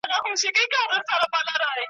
ږغ د پاولیو شرنګ د بنګړیو `